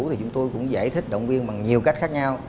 thì chúng tôi cũng giải thích động viên bằng nhiều cách khác nhau